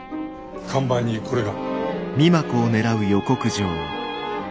看板にこれが。